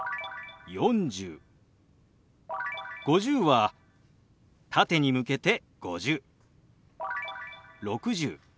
「５０」は縦に向けて「５０」。